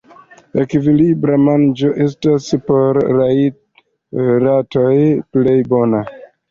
Ekvilibra manĝo estas por ratoj plej bona.